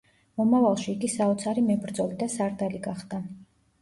მომავალში იგი საოცარი მებრძოლი და სარდალი გახდა.